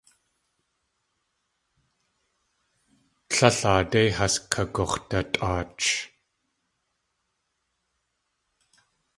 Tlél aadé has kagux̲dutʼaach.